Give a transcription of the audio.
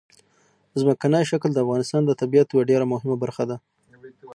ځمکنی شکل د افغانستان د طبیعت یوه ډېره مهمه برخه ده.